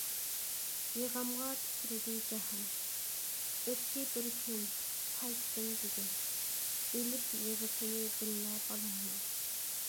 يىغامغا تىترىدى جاھان، ئۆتتى بىر كۈن، قايتتىم بۈگۈن، ئېلىپ يىغىسىنى بىللە بالامنىڭ.